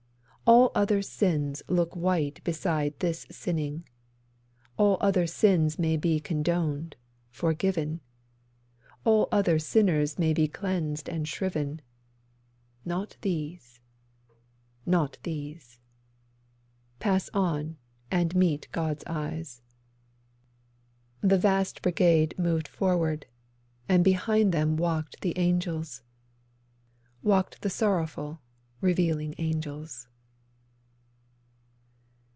All other sins look white beside this sinning; All other sins may be condoned, forgiven; All other sinners may be cleansed and shriven; Not these, not these. Pass on, and meet God's eyes.' The vast brigade moved forward, and behind then walked the Angels, Walked the sorrowful Revealing Angels.